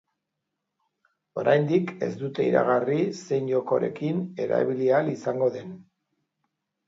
Oraindik ez dute iragarri zein jokorekin erabili ahal izango den.